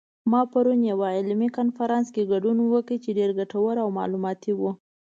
ما پرون یوه علمي کنفرانس کې ګډون وکړ چې ډېر ګټور او معلوماتي و